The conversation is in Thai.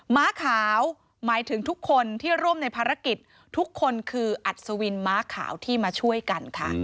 ม้าขาวหมายถึงทุกคนที่ร่วมในภารกิจทุกคนคืออัศวินม้าขาวที่มาช่วยกันค่ะ